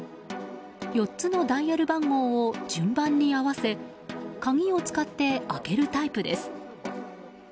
４つのダイヤル番号を順番に合わせ鍵を使って開けるタイプです。